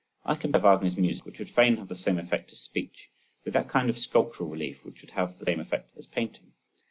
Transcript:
I compare Wagner's music, which would fain have the same effect as speech, with that kind of sculptural relief which would have the same effect as painting.